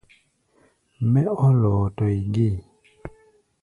Mɛ́ ɔ́ lɔɔtɔɛ gée.